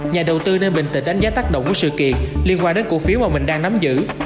nhà đầu tư nên bình tĩnh đánh giá tác động của sự kiện liên quan đến cổ phiếu mà mình đang nắm giữ